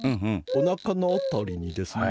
おなかのあたりにですね